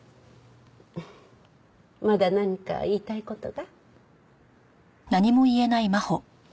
まだ何か言いたい事が？